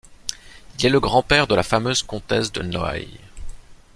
Il est le grand-père de la fameuse comtesse de Noailles.